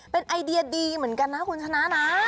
เป็นไอเดียดีเหมือนกันนะคุณชนะนะ